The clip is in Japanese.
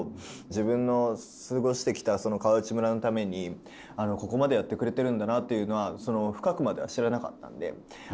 自分の過ごしてきた川内村のためにここまでやってくれてるんだなっていうのはその深くまでは知らなかったんで。